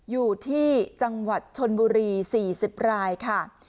อยู่ที่จังหวัดชนบุรี๔๐รายค่ะ